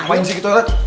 ngapain sih kita ren